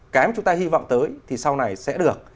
cái mà chúng ta hy vọng tới thì sau này sẽ được